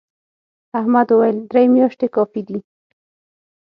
احمد وويل: درې میاشتې کافي دي.